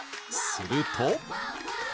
すると。